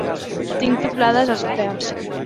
Tinc fiblades als peus.